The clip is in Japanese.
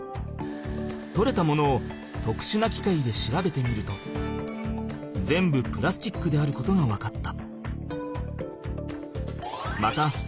とれたものをとくしゅなきかいで調べてみると全部プラスチックであることが分かった。